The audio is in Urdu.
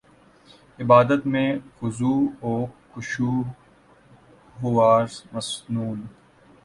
عبادت میں خضوع وخشوع ہواور مسنون